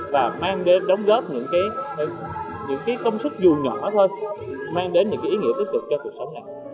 và mang đến đóng góp những công sức dù nhỏ thôi mang đến những ý nghĩa tích cực cho cuộc sống này